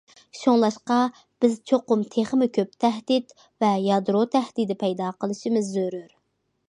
شۇڭلاشقا بىز چوقۇم تېخىمۇ كۆپ تەھدىت ۋە يادرو تەھدىتى پەيدا قىلىشىمىز زۆرۈر.